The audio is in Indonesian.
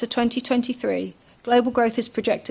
kembang global akan dimodifikasi